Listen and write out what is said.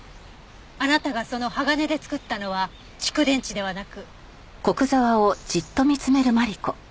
あなたがその鋼で作ったのは蓄電池ではなく。